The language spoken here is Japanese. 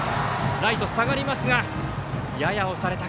ライト、下がりますがやや抑えた。